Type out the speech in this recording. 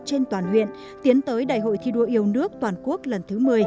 trên toàn huyện tiến tới đại hội thi đua yêu nước toàn quốc lần thứ một mươi